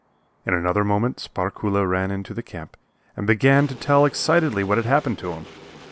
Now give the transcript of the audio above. In another moment Sparkuhle ran into the camp and began to tell excitedly what had happened to him.